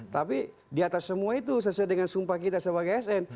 tapi di atas semua itu sesuai dengan sumpah kita sebagai asn